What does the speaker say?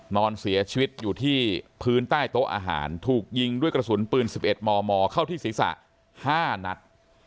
นอนเสียชีวิตอยู่ที่พื้นใต้โต๊ะอาหารถูกยิงด้วยกระสุนปืน๑๑มมเข้าที่ศีรษะ๕นัด